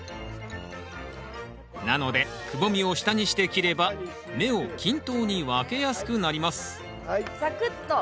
なのでくぼみを下にして切れば芽を均等に分けやすくなりますざくっと。